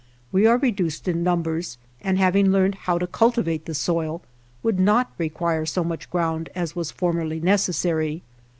We are reduced in numbers, and having learned how to culti vate the soil would not require so much ground as was formerly necessary.